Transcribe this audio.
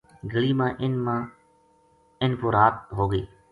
گلی ما اِن م پورات ہو گئی